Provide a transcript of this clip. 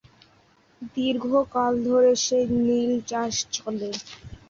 দীর্ঘকাল ধরে সেই নীল চাষ চলে।